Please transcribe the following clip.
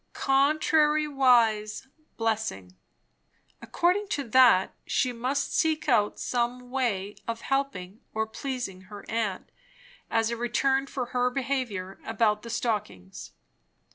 "Contrariwise, blessing." According to that, she must seek out some way of helping or pleasing her aunt, as a return for her behaviour about the stockings.